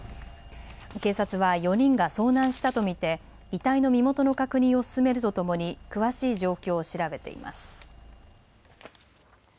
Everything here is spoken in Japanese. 警察は４人が遭難したと見て遺体の身元の確認を進めるとともに詳しい状況を調べています。